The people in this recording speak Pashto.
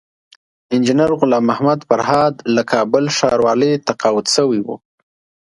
انجينر غلام محمد فرهاد له کابل ښاروالۍ تقاعد شوی وو